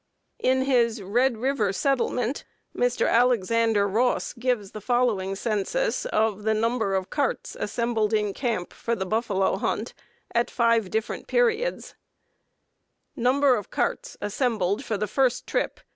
In his "Red River Settlement" Mr. Alexander Ross gives the following census of the number of carts assembled in camp for the buffalo hunt at five different periods: ++ |_Number of carts assembled| | for the first trip.